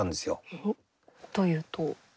というと？